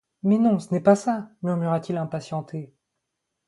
Mais non, ce n'est pas ça, murmura-t-il impatienté.